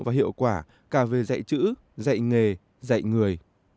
và hiệu quả cả về dạy chữ dạy nghề dạy người